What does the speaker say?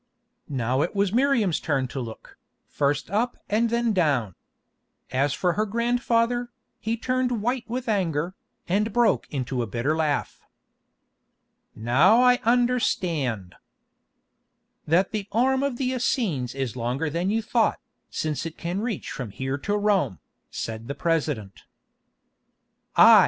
Now it was Miriam's turn to look, first up and then down. As for her grandfather, he turned white with anger, and broke into a bitter laugh. "Now I understand——" "——that the arm of the Essenes is longer than you thought, since it can reach from here to Rome," said the President. "Ay!